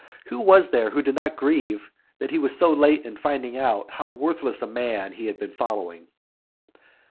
who was there who did not grieve that he was so late in finding out how worthless a man he had been following?